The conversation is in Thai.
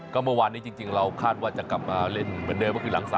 ก็เมื่อวานนี้จริงเราคาดว่าจะกลับมาเล่นเหมือนเดิมก็คือหลัง๓